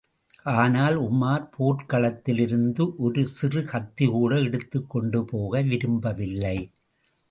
ஆனால் உமார் போர்க்களத்திலிருந்து ஒருசிறு கத்திகூட எடுத்துக் கொண்டுபோக விரும்பவில்லை.